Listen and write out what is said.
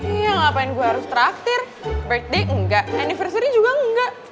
iya ngapain gue harus traktir break day enggak anniversary juga enggak